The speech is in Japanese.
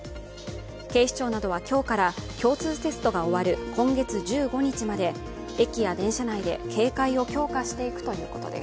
警視庁などは今日から共通テストが終わる今月１５日まで駅や電車内で警戒を強化していくということです。